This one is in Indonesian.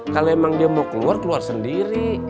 kalau emang dia mau keluar keluar sendiri